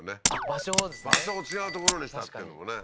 場所を違う所にしたっていうのもね